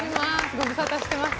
ご無沙汰してます。